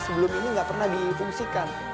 sebelum ini nggak pernah difungsikan